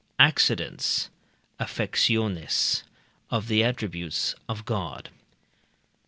accidents (affectiones) of the attributes of God.